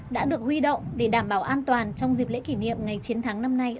đã được huy động để đảm bảo an toàn trong dịp lễ kỷ niệm ngày chiến thắng năm nay